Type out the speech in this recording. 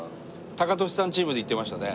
タカトシさんチームで行ってましたね。